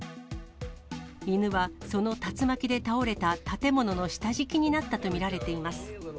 犬はその竜巻で倒れた建物の下敷きになったと見られています。